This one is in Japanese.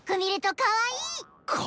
かわいいか？